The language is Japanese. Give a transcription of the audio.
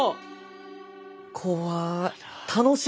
怖い。